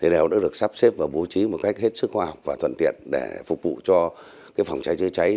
đều đã được sắp xếp và bố trí một cách hết sức khoa học và thuận tiện để phục vụ cho phòng cháy chữa cháy